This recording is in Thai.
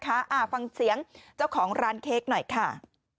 อ่าฟังเสียงเจ้าของร้านเค้กหน่อยค่ะ